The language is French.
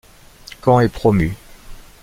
Caen est promu.